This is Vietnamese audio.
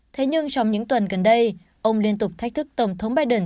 thế nhưng trong những tuần gần đây ông liên tục thách thức tổng thống biden